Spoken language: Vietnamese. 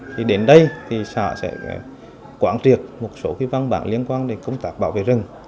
thì đến đây thì xã sẽ quán triệt một số cái văn bản liên quan đến công tác bảo vệ rừng